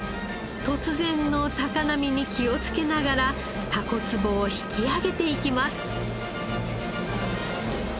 突然の高波に気をつけながらタコ壺を引き揚げていきます。